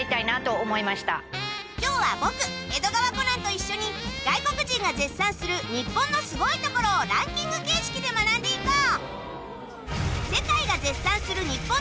今日は僕江戸川コナンと一緒に外国人が絶賛する日本のすごいところをランキング形式で学んで行こう！